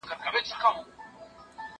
تا چي ول هغه سړی مېلمانه لري